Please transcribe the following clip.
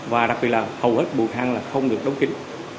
và đặc biệt là hầu hết bộ thang không được đống kính